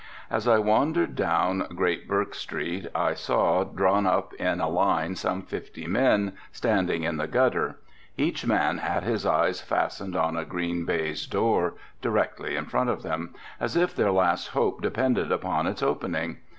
As I wandered down Great Bourke street I saw, drawn up in a line some fifty men standing in the gutter. Each man had his eyes fastened on a green baize door directly in front of them, as if their last hope depended upon its opening.